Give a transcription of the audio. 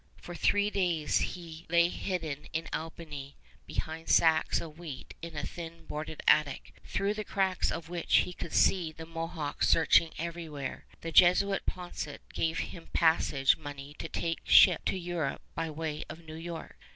For three days he lay hidden in Albany behind sacks of wheat in a thin boarded attic, through the cracks of which he could see the Mohawks searching everywhere. The Jesuit Poncet gave him passage money to take ship to Europe by way of New York.